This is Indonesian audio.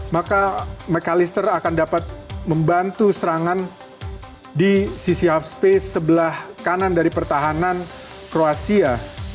maka mekalister akan dapat membantu serangan di sisi hub space sebelah kanan dari pertahanan kroasia